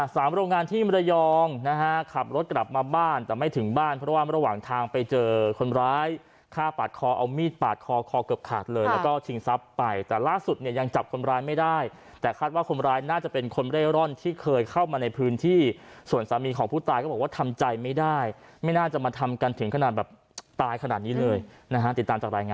โรงงานที่มรยองนะฮะขับรถกลับมาบ้านแต่ไม่ถึงบ้านเพราะว่าระหว่างทางไปเจอคนร้ายฆ่าปาดคอเอามีดปาดคอคอเกือบขาดเลยแล้วก็ชิงทรัพย์ไปแต่ล่าสุดเนี่ยยังจับคนร้ายไม่ได้แต่คาดว่าคนร้ายน่าจะเป็นคนเร่ร่อนที่เคยเข้ามาในพื้นที่ส่วนสามีของผู้ตายก็บอกว่าทำใจไม่ได้ไม่น่าจะมาทำกันถึงขนาดแบบตายขนาดนี้เลยนะฮะติดตามจากรายงาน